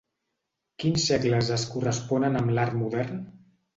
Quins segles es corresponen amb l'Art Modern?